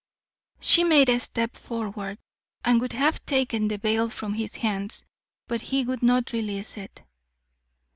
She made a step forward and would have taken the veil from his hands, but he would not release it.